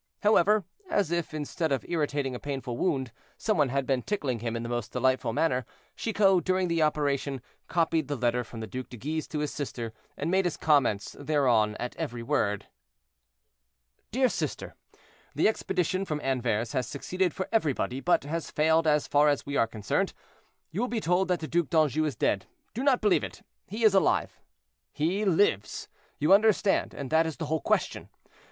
However, as if, instead of irritating a painful wound, some one had been tickling him in the most delightful manner, Chicot, during the operation, copied the letter from the Duc de Guise to his sister, and made his comments thereon at every word. "DEAR SISTER—The expedition from Anvers has succeeded for everybody, but has failed as far as we are concerned. You will be told that the Duc d'Anjou is dead; do not believe it—he is alive. "He lives, you understand, and that is the whole question.